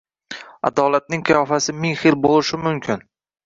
Adolatning qiyofasi ming xil bo’lishi mumkin.